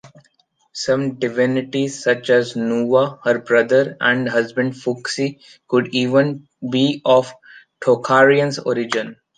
Some divinities, such as Nuwa, her brother and husband Fuxi could even be of Tocharians origins.